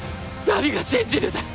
何が信じるだ！